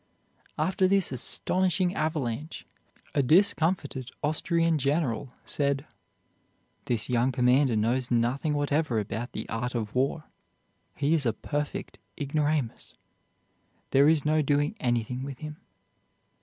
After this astonishing avalanche a discomfited Austrian general said: "This young commander knows nothing whatever about the art of war. He is a perfect ignoramus. There is no doing anything with him."